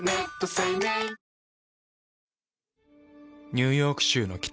ニューヨーク州の北。